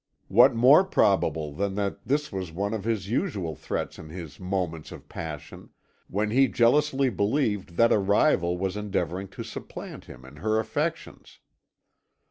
What more probable than that this was one of his usual threats in his moments of passion, when he jealously believed that a rival was endeavouring to supplant him in her affections?